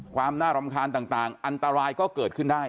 ความน่ารำคาญต่างอันตรายก็เกิดขึ้นได้